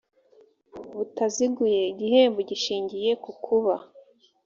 butaziguye igihembo gishingiye ku kuba